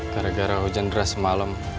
gara gara hujan deras semalam